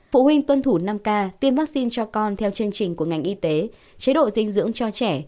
phụ huynh tuân thủ năm k tiêm vaccine cho con theo chương trình của ngành y tế chế độ dinh dưỡng cho trẻ